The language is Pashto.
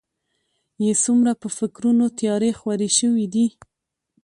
يې څومره په فکرونو تيارې خورې شوي دي.